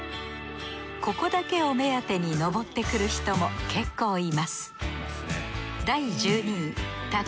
ここだけを目当てに登ってくる人も結構います